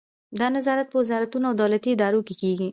دا نظارت په وزارتونو او دولتي ادارو کې کیږي.